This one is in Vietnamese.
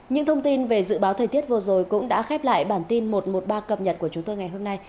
những thông tin về dự báo thời tiết vừa rồi cũng đã khép lại bản tin một trăm một mươi ba cập nhật của chúng tôi ngày hôm nay